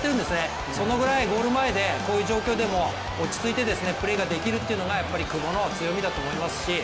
そのぐらいゴール前でこういう状況でも落ち着いてプレーができるっていうのが久保の強みだと思いますし。